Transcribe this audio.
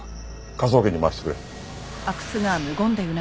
科捜研に回してくれ。